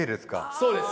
そうです！